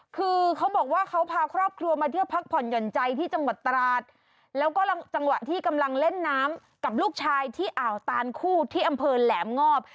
คือเขาบอกว่าเขาพาครอบครัวมาเที่ยวพักผ่อนหย่อนใจที่จังหวัดตราดแล้วก็จังหวะที่กำลังเล่นน้ำกับลูกชายที่อ่าวตานคู่ที่อำเภอแหลมงอบ